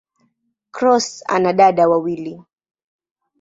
Cross ana dada wawili.